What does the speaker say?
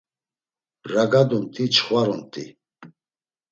Ragadumt̆i çxvarumt̆i.